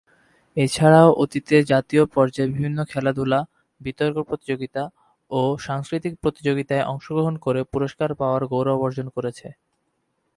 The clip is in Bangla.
এছাড়াও অতীতে জাতীয় পর্যায়ে বিভিন্ন খেলাধুলা, বিতর্ক প্রতিযোগিতা ও সাংস্কৃতিক প্রতিযোগীতায় অংশগ্রহণ করে পুরস্কার পাওয়ার গৌরব অর্জন করেছে।